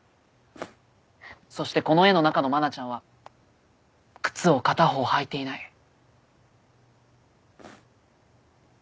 そしてこの絵の中の愛菜ちゃんは靴を片方履いていない。